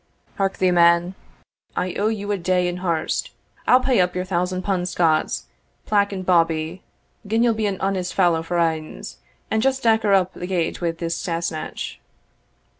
] Hark thee, man I owe thee a day in harst I'll pay up your thousan pund Scots, plack and bawbee, gin ye'll be an honest fallow for anes, and just daiker up the gate wi' this Sassenach."